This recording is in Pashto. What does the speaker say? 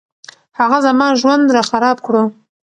هغه زما ژوند راخراب کړو